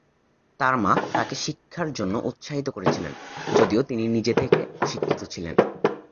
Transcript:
তার মা তাকে শিক্ষার জন্য উৎসাহিত করেছিলেন, যদিও তিনি নিজে থেকে অশিক্ষিত ছিলেন।